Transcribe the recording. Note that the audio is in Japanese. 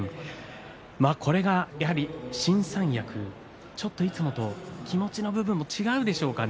それがやはり新三役ちょっといつもとは気持ちの部分で違うでしょうかね。